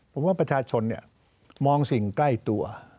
ผมว่าประชาชนมองสิ่งใกล้ตัว